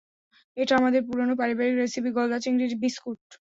এটা আমাদের পুরনো পারিবারিক রেসিপি, গলদা চিংড়ি বিসকুট।